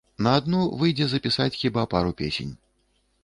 На адну выйдзе запісаць хіба пару песень.